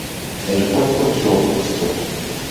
El cuerpo es robusto.